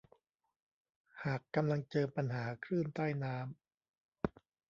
หากกำลังเจอปัญหาคลื่นใต้น้ำ